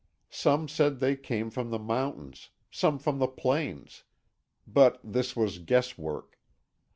Some said they came from the mountains, some from the plains, but this was guess work.